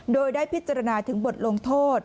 โดยได้พิจารณาถึงบทลงโทษ